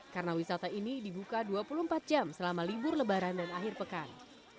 karena wisata ini dibuka dua puluh empat jam selama libur lebaran dan akhir pekan